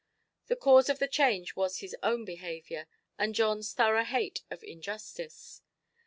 The cause of the change was his own behaviour, and Johnʼs thorough hate of injustice.